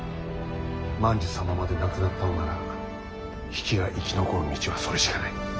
万寿様まで亡くなったのなら比企が生き残る道はそれしかない。